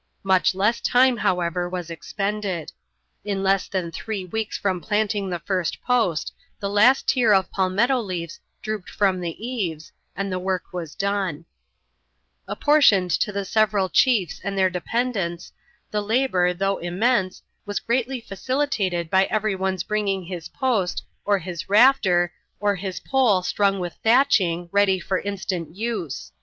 Much less time, however, was expended. In less than three weeks from planting the first post, the last tier of palmetto leaves drooped from the eaves, and the work was done. Apportioned to the several chiefs and their dependents, the labour, though immense, was greatly facilitated by every one's bringing bis post, or his rafter, or bis poVe ^Xxxwi^'wvJCcL^^a^fSfic M 4 i 168 ADVENTURES IN THE SOUTH SEAS. [ck4p. rar. ing, ready for instant use.